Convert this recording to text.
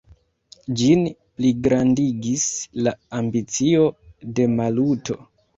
Ĝin pligrandigis la ambicio de Maluto.